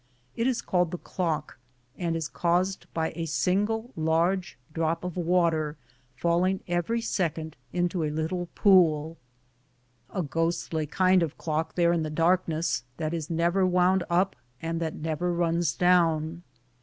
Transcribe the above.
It is called the clock, and is caused by a single large drop of water falling every second into a little pool. A ghostly kind of clock there in the darkness, that is never wound up and that never runs down.